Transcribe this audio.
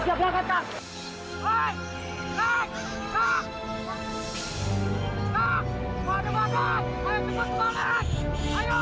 sebentar lagi kamu melakukan ilaczan hartinya